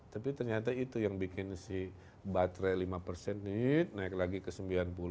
tapi ternyata itu yang bikin si baterai lima persen ini naik lagi ke sembilan puluh